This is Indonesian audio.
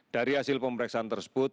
dari hasil pemeriksaan tersebut